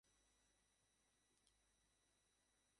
এই সব ছোটখাটো দোষ ধরতে হয় না।